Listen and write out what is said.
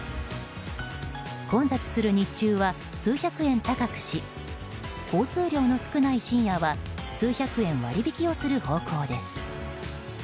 混雑する日中は数百円高くし交通量の少ない深夜は数百円割引をする方向です。